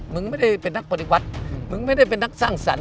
มึงไม่ได้เป็นนักปฏิวัติมึงไม่ได้เป็นนักสร้างสรรค